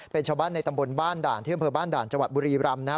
เป็นชาวบ้านในตำบลบ้านด่านที่อำเภอบ้านด่านจังหวัดบุรีรำนะครับ